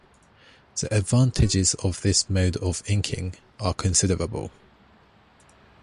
The advantages of this mode of inking are considerable.